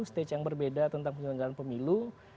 stage yang berbeda tentang penyelenggaraan pemilu